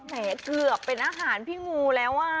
แหมคือเป็นอาหารพี่งูแล้วอ่ะ